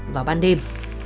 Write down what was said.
và ban đêm